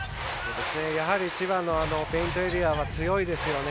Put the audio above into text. やはり千葉のペイントエリアは強いですよね。